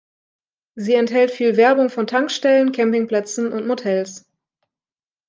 Sie enthält viel Werbung von Tankstellen, Campingplätzen und Motels.